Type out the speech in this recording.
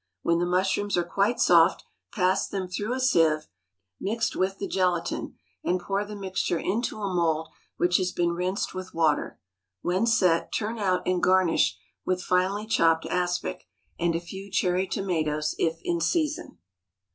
When the mushrooms are quite soft, pass them through a sieve, mixed with the gelatine, and pour the mixture into a mould which has been rinsed with water. When set, turn out and garnish with finely chopped aspic, and a few cherry tomatoes if in season.